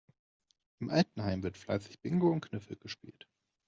Im Altenheim wird fleißig Bingo und Kniffel gespielt.